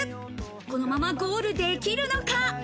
このままゴールできるのか？